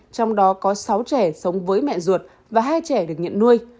trong đó có sáu trẻ sống với mẹ ruột và hai trẻ được nhận nuôi